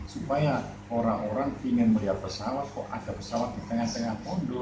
supaya orang orang ingin melihat pesawat kok ada pesawat di tengah tengah pondok